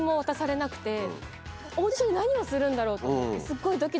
オーディションで何をするんだろうと。